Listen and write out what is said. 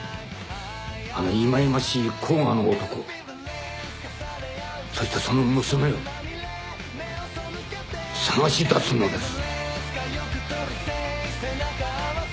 あのいまいましい甲賀の男をそしてその娘を捜し出すのです！